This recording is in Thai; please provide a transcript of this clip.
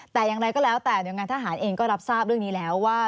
แต่อย่างไรก็แล้วแต่หน่วยงานทหารเองก็รับทราบเรื่องนี้แล้วว่า